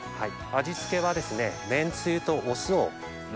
味付けはですねめんつゆとお酢を。